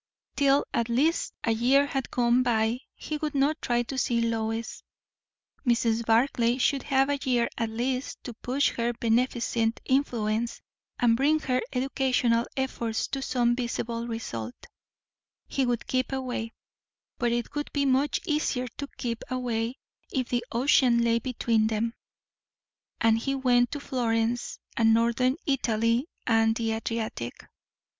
Till at least a year had gone by he would not try to see Lois; Mrs. Barclay should have a year at least to push her beneficent influence and bring her educational efforts to some visible result; he would keep away; but it would be much easier to keep away if the ocean lay between them, and he went to Florence and northern Italy and the Adriatic.